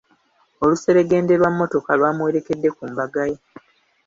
Oluseregende lwa mmotoka lwamuwerekera ku mbaga ye.